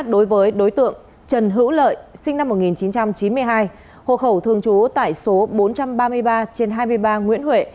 đối với đối tượng trần hữu lợi sinh năm một nghìn chín trăm chín mươi hai hộ khẩu thường trú tại số bốn trăm ba mươi ba trên hai mươi ba nguyễn huệ